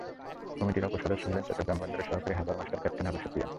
কমিটির অপর সদস্য হলেন চট্টগ্রাম বন্দরের সহকারী harbour master captain Abu Sufian.